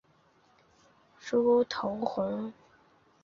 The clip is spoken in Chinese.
楮头红为野牡丹科肉穗草属下的一个种。